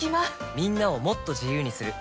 みんなをもっと自由にする「三菱冷蔵庫」